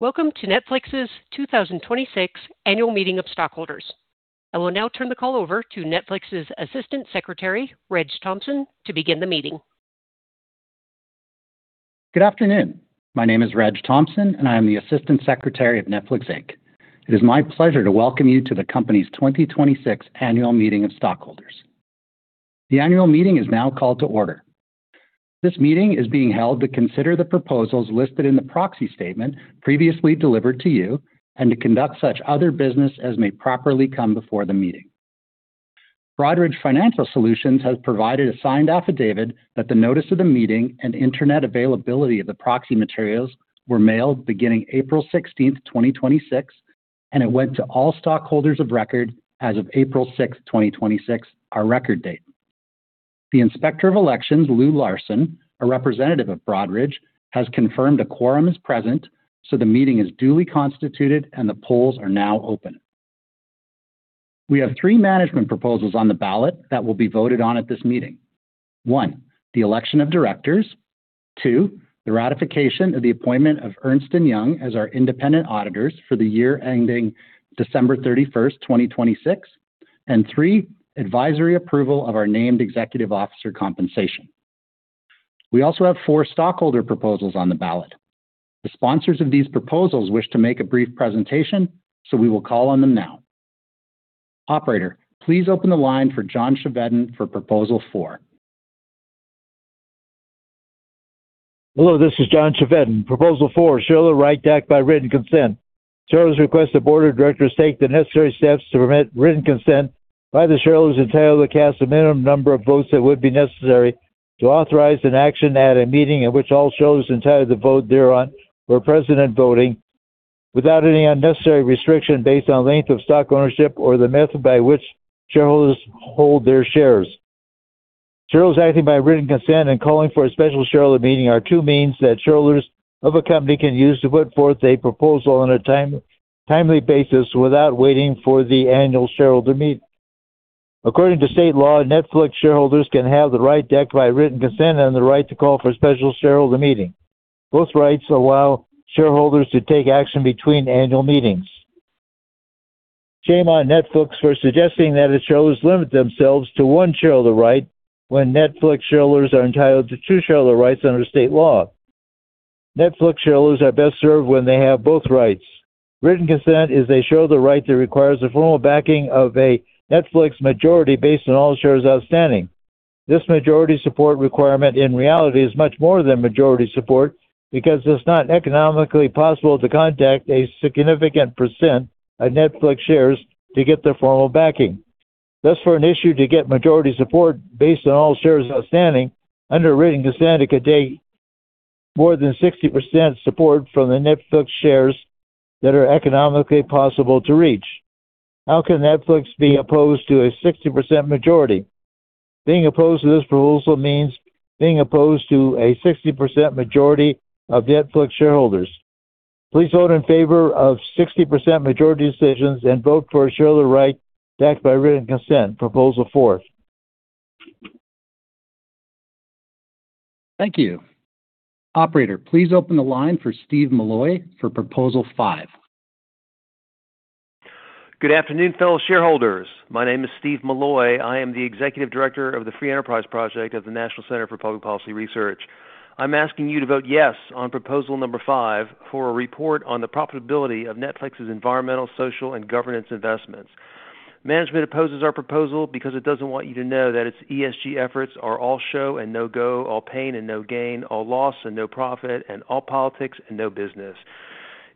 Welcome to Netflix's 2026 Annual Meeting of Stockholders. I will now turn the call over to Netflix's Assistant Secretary, Reg Thompson, to begin the meeting. Good afternoon. My name is Reg Thompson, and I am the Assistant Secretary of Netflix, Inc. It is my pleasure to welcome you to the company's 2026 Annual Meeting of Stockholders. The annual meeting is now called to order. This meeting is being held to consider the proposals listed in the proxy statement previously delivered to you and to conduct such other business as may properly come before the meeting. Broadridge Financial Solutions has provided a signed affidavit that the notice of the meeting and internet availability of The proxy materials were mailed beginning April 16th, 2026, and it went to all stockholders of record as of April 6th, 2026, our record date. The Inspector of Elections, Lou Larson, a representative of Broadridge, has confirmed a quorum is present, so the meeting is duly constituted, and the polls are now open. We have three management proposals on the ballot that will be voted on at this meeting. One, the election of directors. Two, the ratification of the appointment of Ernst & Young as our independent auditors for the year ending December 31st, 2026. Three, advisory approval of our named executive officer compensation. We also have four stockholder proposals on the ballot. The sponsors of these proposals wish to make a brief presentation, so we will call on them now. Operator, please open the line for John Chevedden for proposal four. Hello, this is John Chevedden. Proposal four, Shareholder Right to Act by Written Consent. Shareholders request the board of directors take the necessary steps to permit written consent by the shareholders entitled to cast the minimum number of votes that would be necessary to authorize an action at A meeting in which all shareholders entitled to vote thereon were present and voting without any unnecessary restriction based on length of stock ownership or the method by which shareholders hold their shares. Shareholders acting by written consent and calling for a special shareholder meeting are two means that shareholders of a company can use to put forth a proposal on a timely basis without waiting for the annual shareholder meeting. According to state law, Netflix shareholders can have the right to act by written consent and the right to call for a special shareholder meeting. Both rights allow shareholders to take action between annual meetings. Shame on Netflix for suggesting that its shareholders limit themselves to one shareholder right when Netflix shareholders are entitled to two shareholder rights under state law. Netflix shareholders are best served when they have both rights. Written consent is a shareholder right that requires the formal backing of a Netflix majority based on all shares outstanding. This majority support requirement, in reality, is much more than majority support because it's not economically possible to contact a significant % of Netflix shares to get their formal backing. Thus, for an issue to get majority support based on all shares outstanding under written consent, it could take more than 60% support from the Netflix shares that are economically possible to reach. How can Netflix be opposed to a 60% majority? Being opposed to this proposal means being opposed to a 60% majority of Netflix shareholders. Please vote in favor of 60% majority decisions and vote for shareholder right to act by written consent, proposal four. Thank you. Operator, please open the line for Steve Milloy for proposal five. Good afternoon, fellow shareholders. My name is Steve Milloy. I am the Executive Director of the Free Enterprise Project at the National Center for Public Policy Research. I'm asking you to vote yes on proposal number five for a report on the profitability of Netflix's environmental, social, and governance investments. Management opposes our proposal because it doesn't want you to know that its ESG efforts are all show and no go, all pain and no gain, all loss and no profit, and all politics and no business.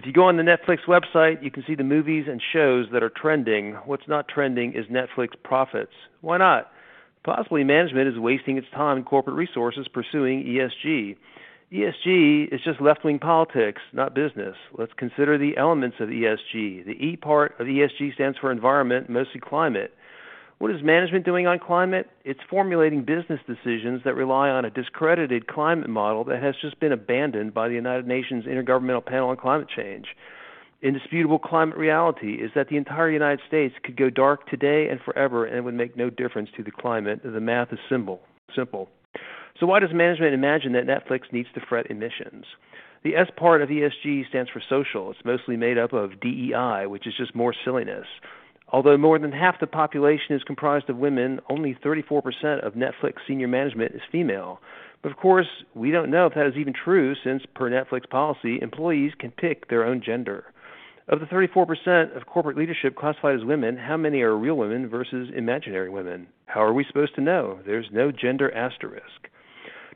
If you go on the Netflix website, you can see the movies and shows that are trending. What's not trending is Netflix profits. Why not? Possibly management is wasting its time and corporate resources pursuing ESG. ESG is just left-wing politics, not business. Let's consider the elements of ESG. The E part of ESG stands for environment, mostly climate. What is management doing on climate? It's formulating business decisions that rely on a discredited climate model that has just been abandoned by the United Nations Intergovernmental Panel on Climate Change. Indisputable climate reality is that the entire U.S. could go dark today and forever, it would make no difference to the climate. The math is simple. Why does management imagine that Netflix needs to fret emissions? The S part of ESG stands for social. It's mostly made up of DEI, which is just more silliness. Although more than half the population is comprised of women, only 34% of Netflix senior management is female. Of course, we don't know if that is even true since, per Netflix policy, employees can pick their own gender. Of the 34% of corporate leadership classified as women, how many are real women versus imaginary women? How are we supposed to know? There's no gender asterisk.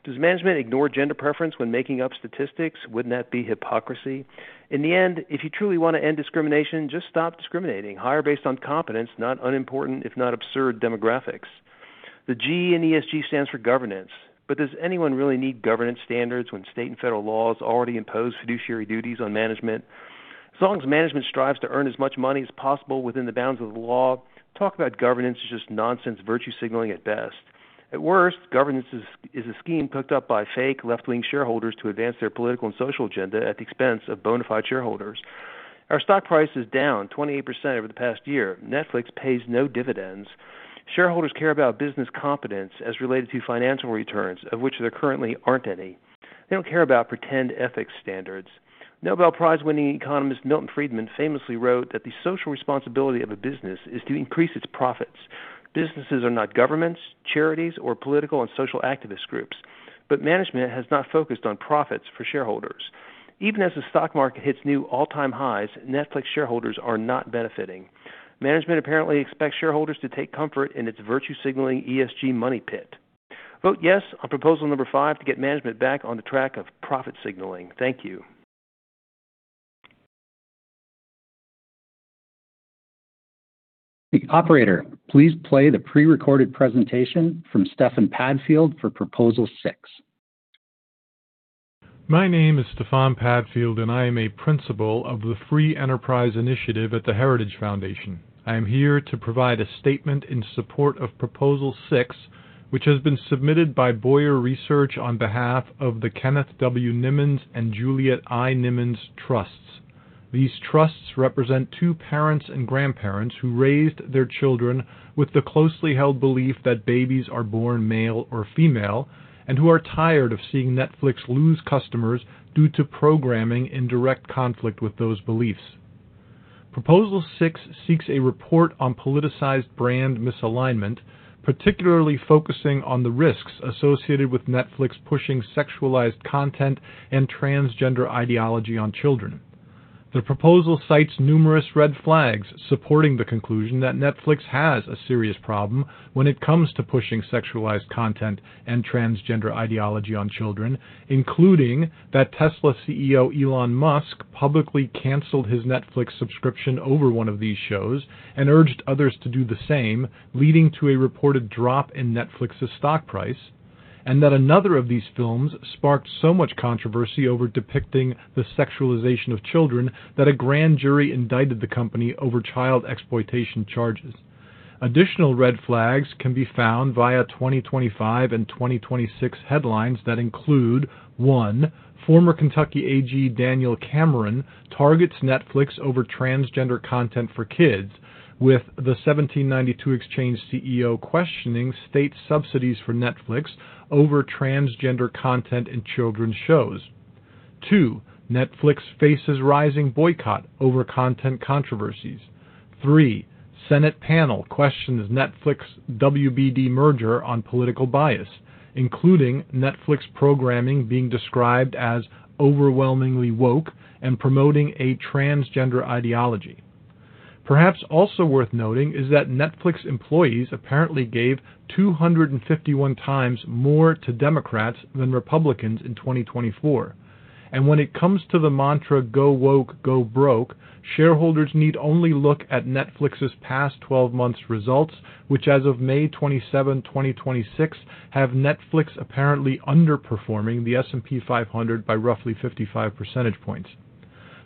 Does management ignore gender preference when making up statistics? Wouldn't that be hypocrisy? In the end, if you truly want to end discrimination, just stop discriminating. Hire based on competence, not unimportant, if not absurd, demographics. The G in ESG stands for governance. Does anyone really need governance standards when state and federal laws already impose fiduciary duties on management? As long as management strives to earn as much money as possible within the bounds of the law, talk about governance is just nonsense virtue signaling at best. At worst, governance is a scheme cooked up by fake left-wing shareholders to advance their political and social agenda at the expense of bona fide shareholders. Our stock price is down 28% over the past year. Netflix pays no dividends. Shareholders care about business competence as related to financial returns, of which there currently aren't any. They don't care about pretend ethics standards. Nobel Prize-winning economist Milton Friedman famously wrote that the social responsibility of a business is to increase its profits. Businesses are not governments, charities, or political and social activist groups, but management has not focused on profits for shareholders. Even as the stock market hits new all-time highs, Netflix shareholders are not benefiting. Management apparently expects shareholders to take comfort in its virtue signaling ESG money pit. Vote yes on proposal number five to get management back on the track of profit signaling. Thank you. The operator, please play the pre-recorded presentation from Stefan Padfield for proposal six. My name is Stefan Padfield, and I am a principal of the Free Enterprise Initiative at the Heritage Foundation. I am here to provide a statement in support of proposal six, which has been submitted by Bowyer Research on behalf of the Kenneth W. Nimmons and Juliet I. Nimmons trusts. These trusts represent two parents and grandparents who raised their children with the closely held belief that babies are born male or female, and who are tired of seeing Netflix lose customers due to programming in direct conflict with those beliefs. Proposal six seeks a report on politicized brand misalignment, particularly focusing on the risks associated with Netflix pushing sexualized content and transgender ideology on children. The proposal cites numerous red flags supporting the conclusion that Netflix has a serious problem when it comes to pushing sexualized content and transgender ideology on children, including that Tesla CEO Elon Musk publicly canceled his Netflix subscription over one of these shows and urged others to do the same, Leading to a reported drop in Netflix's stock price, and that another of these films sparked so much controversy over depicting the sexualization of children that a grand jury indicted the company over child exploitation charges. Additional red flags can be found via 2025 and 2026 headlines that include, one, Former Kentucky AG Daniel Cameron targets Netflix over transgender content for kids with the 1792 Exchange CEO questioning state subsidies for Netflix over transgender content in children's shows. Two, Netflix faces rising boycott over content controversies. Three, Senate panel questions Netflix WBD merger on political bias, including Netflix programming being described as overwhelmingly woke and promoting a transgender ideology. Perhaps also worth noting is that Netflix employees apparently gave 251 times more to Democrats than Republicans in 2024. When it comes to the mantra, "Go woke, go broke," shareholders need only look at Netflix's past 12 months results, which as of May 27th, 2026, have Netflix apparently underperforming the S&P 500 by roughly 55 percentage points.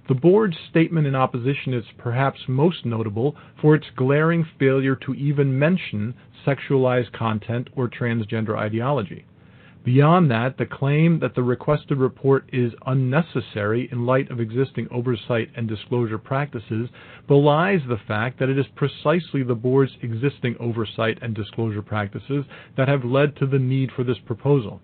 The board's statement in opposition is perhaps most notable for its glaring failure to even mention sexualized content or transgender ideology. Beyond that, the claim that the requested report is unnecessary in light of existing oversight and disclosure practices belies the fact that it is precisely the board's existing oversight and disclosure practices that have led to the need for this proposal.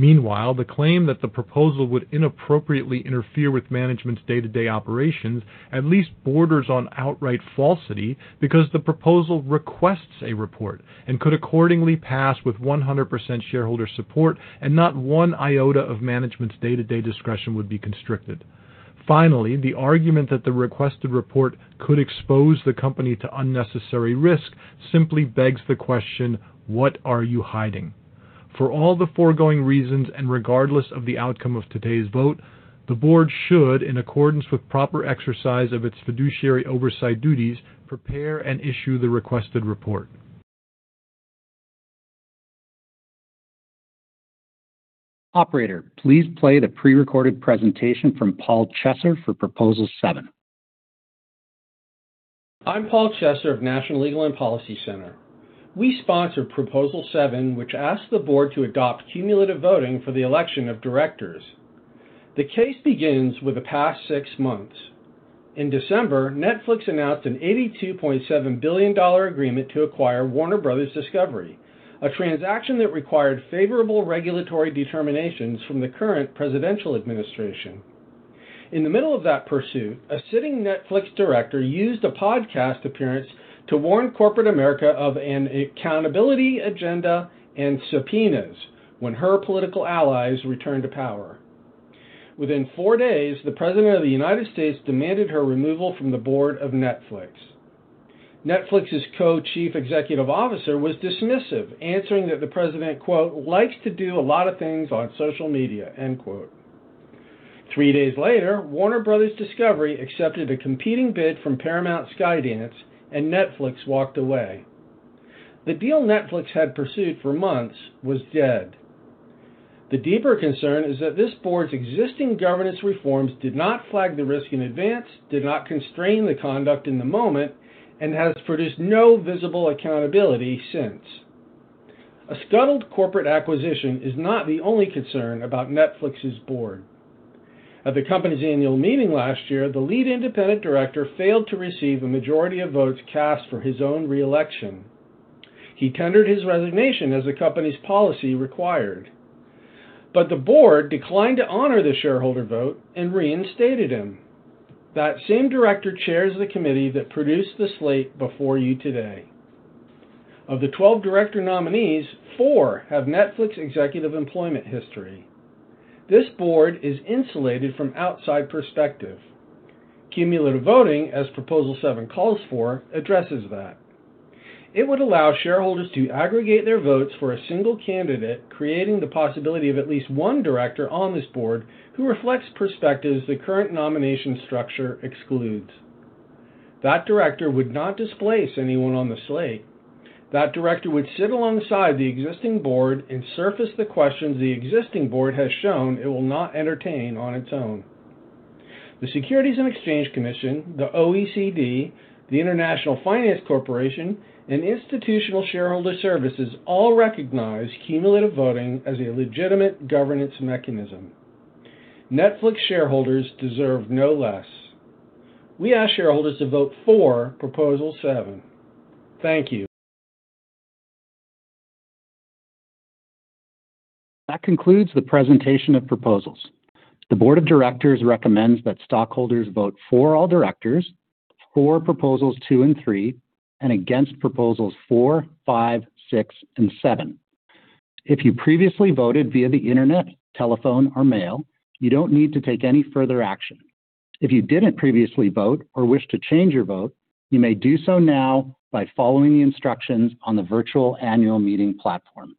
Meanwhile, the claim that the proposal would inappropriately interfere with management's day-to-day operations at least borders on outright falsity because the proposal requests a report and could accordingly pass with 100% shareholder support and not one iota of management's day-to-day discretion would be constricted. Finally, the argument that the requested report could expose the company to unnecessary risk simply begs the question, what are you hiding? For all the foregoing reasons, and regardless of the outcome of today's vote, the board should, in accordance with proper exercise of its fiduciary oversight duties, prepare and issue the requested report. Operator, please play the pre-recorded presentation from Paul Chesser for proposal seven. I'm Paul Chesser of National Legal and Policy Center. We sponsor proposal seven, which asks the board to adopt cumulative voting for the election of directors. The case begins with the past six months. In December, Netflix announced an $82.7 billion agreement to acquire Warner Bros. Discovery, a transaction that required favorable regulatory determinations from the current presidential administration. In the middle of that pursuit, a sitting Netflix director used a podcast appearance to warn corporate America of an accountability agenda and subpoenas when her political allies returned to power. Within four days, the President of the United States demanded her removal from the board of Netflix. Netflix's Co-Chief Executive Officer was dismissive, answering that the president, “Likes to do a lot of things on social media.” Three days later, Warner Bros. Discovery accepted a competing bid from Paramount Skydance, and Netflix walked away. The deal Netflix had pursued for months was dead. The deeper concern is that this board's existing governance reforms did not flag the risk in advance, did not constrain the conduct in the moment, and has produced no visible accountability since. A scuttled corporate acquisition is not the only concern about Netflix's board. At the company's annual meeting last year, the lead independent director failed to receive a majority of votes cast for his own re-election. He tendered his resignation as the company's policy required. The board declined to honor the shareholder vote and reinstated him. That same director chairs the committee that produced the slate before you today. Of the 12 director nominees, four have Netflix executive employment history. This board is insulated from outside perspective. Cumulative voting, as Proposal seven calls for, addresses that. It would allow shareholders to aggregate their votes for a single candidate, creating the possibility of at least one director on this board who reflects perspectives the current nomination structure excludes. That director would not displace anyone on the slate. That director would sit alongside the existing board and surface the questions the existing board has shown it will not entertain on its own. The Securities and Exchange Commission, the OECD, the International Finance Corporation, and Institutional Shareholder Services all recognize cumulative voting as a legitimate governance mechanism. Netflix shareholders deserve no less. We ask shareholders to vote for Proposal seven. Thank you. That concludes the presentation of proposals. The board of directors recommends that stockholders vote for all directors, for Proposals two and three, and against Proposals four, five, six, and seven. If you previously voted via the internet, telephone, or mail, you don't need to take any further action. If you didn't previously vote or wish to change your vote, you may do so now by following the instructions on the virtual annual meeting platform.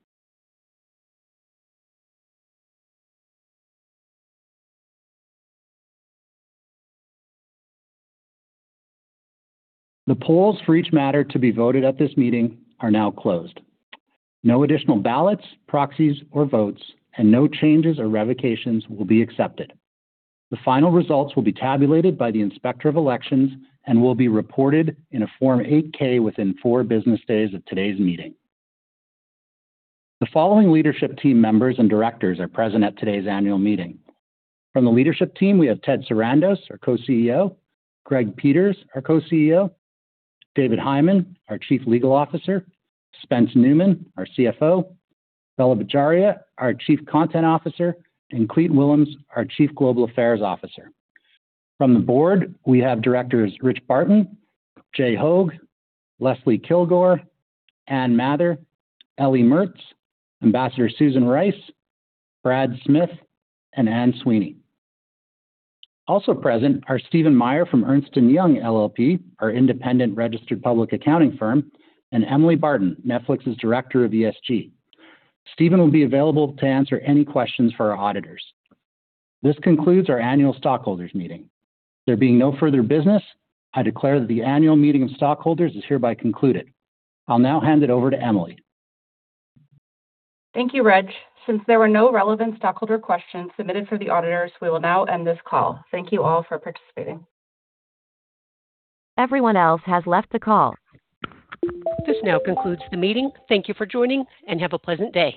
The polls for each matter to be voted at this meeting are now closed. No additional ballots, proxies, or votes, and no changes or revocations will be accepted. The final results will be tabulated by the Inspector of Elections and will be reported in a Form 8-K within four business days of today's meeting. The following leadership team members and directors are present at today's annual meeting. From the leadership team, we have Ted Sarandos, our Co-CEO, Greg Peters, our Co-CEO, David Hyman, our Chief Legal Officer, Spencer Neumann, our CFO, Bela Bajaria, our Chief Content Officer, and Clete Willems, our Chief Global Affairs Officer. From the board, we have directors Richard Barton, Jay Hoag, Leslie Kilgore, Ann Mather, Ellie Mertz, Ambassador Susan Rice, Brad Smith, and Anne Sweeney. Also present are Stephen Meyer from Ernst & Young LLP, our independent registered public accounting firm, and Emma Stewart, Netflix's Director of ESG. Stephen will be available to answer any questions for our auditors. This concludes our annual stockholders meeting. There being no further business, I declare that the annual meeting of stockholders is hereby concluded. I'll now hand it over to Emma. Thank you, Reg. Since there were no relevant stockholder questions submitted for the auditors, we will now end this call. Thank you all for participating. Everyone else has left the call. This now concludes the meeting. Thank you for joining, and have a pleasant day.